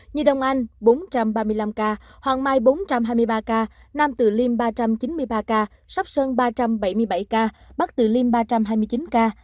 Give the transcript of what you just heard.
như đông anh bốn trăm ba mươi năm ca hoàng mai bốn trăm hai mươi ba ca nam từ liêm ba trăm chín mươi ba ca sóc sơn ba trăm bảy mươi bảy ca bắc từ liêm ba trăm hai mươi chín ca